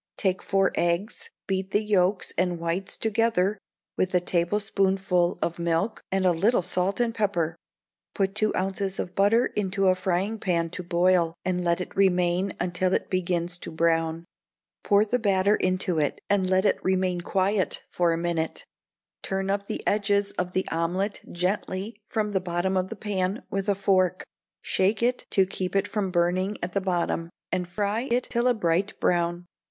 Take four eggs, beat the yolks and whites together with a tablespoonful of milk, and a little salt and pepper; put two ounces of butter into a frying pan to boil, and let it remain until it begins to brown; pour the batter into it, and let it remain quiet for a minute; turn up the edges of the omelette gently from the bottom of the pan with a fork; shake it, to keep it from burning at the bottom, and fry it till of a bright brown.